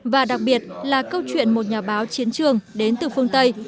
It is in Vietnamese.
và đặc biệt là câu chuyện một nhà báo chiến trường đến từ phương tây